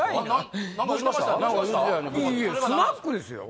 いやいやスナックですよ